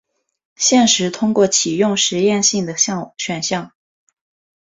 现时通过启用实验性的选项。